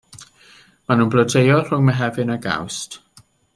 Maen nhw'n blodeuo rhwng Mehefin ag Awst.